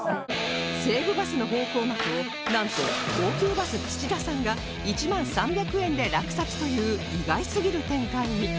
西武バスの方向幕をなんと東急バス土田さんが１万３００円で落札という意外すぎる展開に